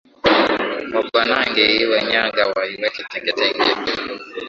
Wabanange iwe nyagha, waiweke tengetenge,